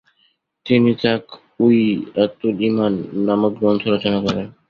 তিনি “তাকউইয়াতুল ঈমান” নামক গ্রন্থ রচনা করেন।